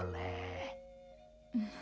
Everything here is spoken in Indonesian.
tuhan yang menjaga kita